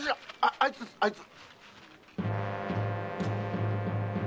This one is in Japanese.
あいつですあいつ。